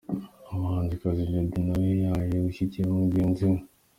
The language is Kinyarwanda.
Umuhanzikazi Jody nawe yari yaje gushyigikira mugenzi we.